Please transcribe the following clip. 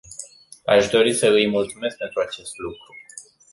Aș dori să îi mulțumesc pentru acest lucru.